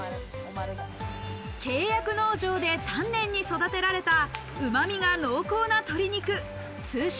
契約農場で丹念に育てられたうま味が濃厚な鶏肉通称